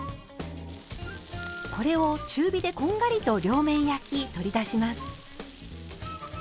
これを中火でこんがりと両面焼き取り出します。